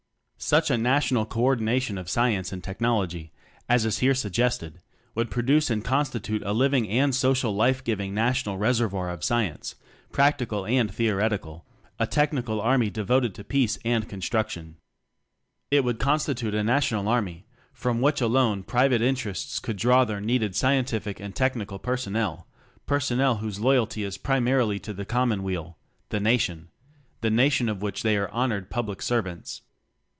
Such a national co ordination oi Science and Technology, as is here suggested, would produce and consti TECHNOCRACY 15 tute a living and Social life giving Na tional Reservoir of Science practical and theoretical; a Technical Army de voted to Peace and Construction. It would constitute a National Army, from which alone Private Interests could draw their needed scientific and technical personnel; personnel whose loyalty is primarily to the Common weal the Nation; the Nation of which they are honored Public Servants.